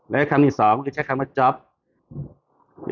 และคำที่สองคือใช้คำว่าจ๊อป